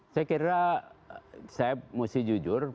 saya kira saya mesti jujur